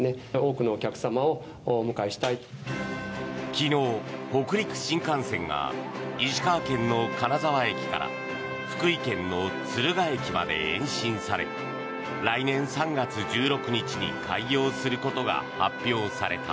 昨日、北陸新幹線が石川県の金沢駅から福井県の敦賀駅まで延伸され来年３月１６日に開業することが発表された。